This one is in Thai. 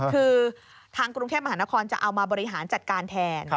คือทางกรุงเทพมหานครจะเอามาบริหารจัดการแทน